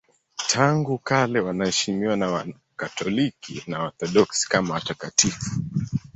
Tangu kale wanaheshimiwa na Wakatoliki na Waorthodoksi kama watakatifu.